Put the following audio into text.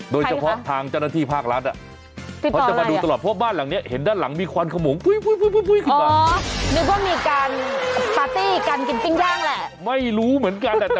โดยเฉพาะทางเจ้าหน้าที่ภาครัฐเขาจะมาดูตลอดเพราะบ้านหลังนี้เห็นด้านหลังมีควันขโมง